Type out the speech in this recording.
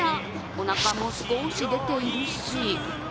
お腹も少し出ているし。